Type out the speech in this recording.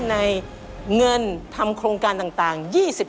ในเงินทำโครงการต่าง